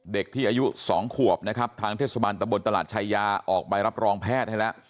เด็กที่อายุ๒ขวบนะครับทางเทศบาลตะบนตลาดชายาออกใบรับรองแพทย์ให้แล้ว